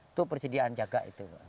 itu persediaan jaga itu